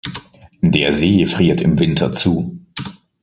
Der See friert im Winter zu.